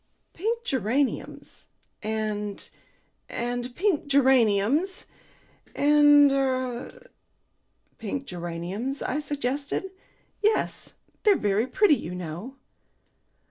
"Pink geraniums and and pink geraniums, and er " "Pink geraniums?" I suggested. "Yes. They're very pretty, you know."